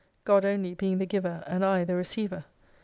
God only being the Girer and I the Receiver.